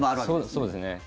そうですね。